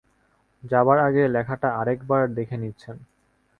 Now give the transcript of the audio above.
যাবার আগে লেখাটা আরেক বার দেখে নিচ্ছেন।